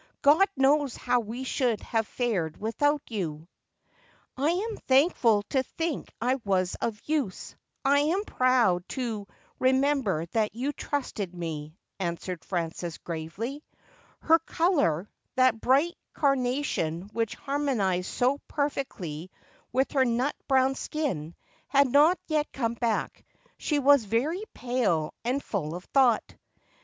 God knows how we should have fared without you.' ' I am thankful to think I was of use. I am proud to re member that you trusted me,' answered Frances gravely. Her colour — that bright carnation which harmonized so perfectly with her nut brown skin — had not yet come bac.c. She was very pale and full of thought.